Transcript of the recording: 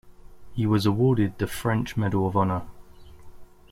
He was awarded the French Medal of Honor.